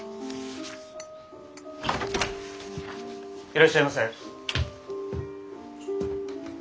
いらっしゃいませ。